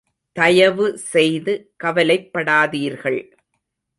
தயவு செய்து கவலைப்படாதீர்கள்.